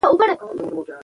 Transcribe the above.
تر سړي کمه نه ده.